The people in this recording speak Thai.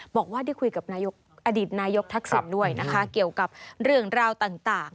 บอกว่าได้คุยกับนายกอดีตนายกทักษิณด้วยนะคะเกี่ยวกับเรื่องราวต่าง